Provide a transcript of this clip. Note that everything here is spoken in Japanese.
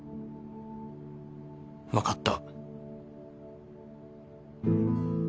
分かった。